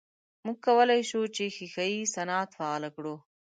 موږ کولای سو چې ښیښه یي صنعت فعال کړو.